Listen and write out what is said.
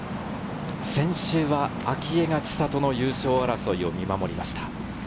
先週は明愛が千怜の優勝争いを見守りました。